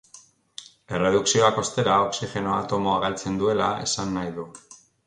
Erredukzioak, ostera, oxigeno atomoa galtzen duela esan nahi du.